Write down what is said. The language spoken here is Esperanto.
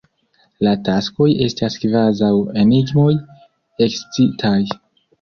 La taskoj estas kvazaŭ enigmoj ekscitaj.